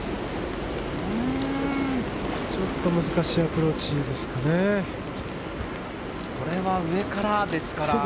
ちょっと難しいアプローチですかね。